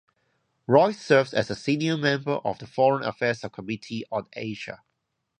Royce serves as a senior member of the Foreign Affairs Subcommittee on Asia.